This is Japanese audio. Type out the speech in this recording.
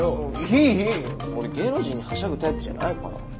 いいいい俺芸能人にはしゃぐタイプじゃないから。